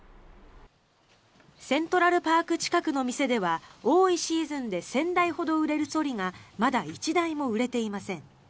セントラルパーク近くの店では多いシーズンで１０００台ほど売れるそりがまだ１台も売れていません。